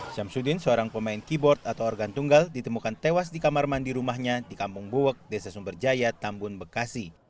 syamsuddin seorang pemain keyboard atau organ tunggal ditemukan tewas di kamar mandi rumahnya di kampung buwok desa sumberjaya tambun bekasi